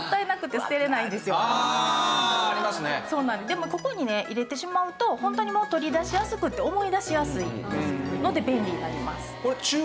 でもここにね入れてしまうとホントに取り出しやすくて思い出しやすいですので便利になります。